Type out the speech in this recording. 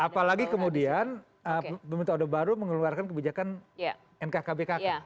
apalagi kemudian pemintu orde baru mengeluarkan kebijakan nkkbkk